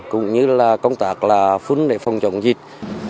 cũng như là công tác là phun để phòng chống dịch